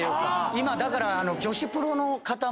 今だから。